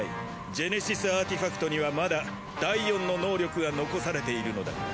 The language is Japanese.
ジェネシスアーティファクトにはまだ第４の能力が残されているのだから。